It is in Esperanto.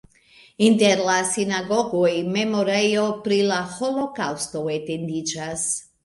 Inter la sinagogoj memorejo pri la holokaŭsto etendiĝas.